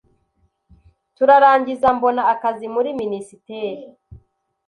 Turarangiza mbona akazi muri minisiteri.